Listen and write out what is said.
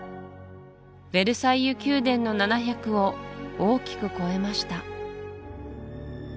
ヴェルサイユ宮殿の７００を大きく超えました